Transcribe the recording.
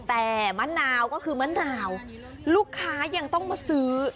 แต่มะนาวก็คือมะนาวลูกค้ายังต้องมาซื้อ